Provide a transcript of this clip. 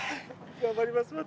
頑張ります、また。